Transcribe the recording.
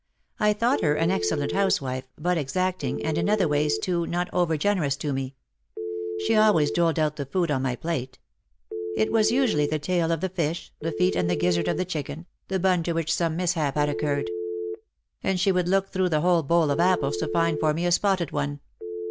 I thought her an excellent house wife but exacting and in other ways too not over gen erous to me. She always doled out the food on my plate. It was usually the tail of the fish, the feet and the gizzard of the chicken, the bun to which some mishap had occurred. And she would look through the whole bowl of apples to find for me a spotted one.